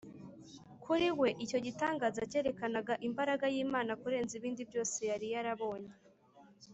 kuri we, icyo gitangaza cyerekanaga imbaraga y’imana kurenza ibindi byose yari yarabonye